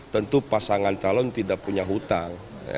tentu pasangan calon tidak punya hutang